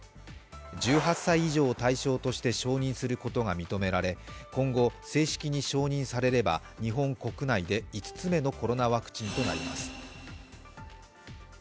１８歳以上を対象として承認することが認められ今後、正式に承認されれば日本国内で５つ目のコロナワクチンとなります。